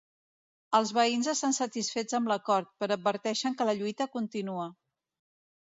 Els veïns estan satisfets amb l’acord, però adverteixen que la lluita continua.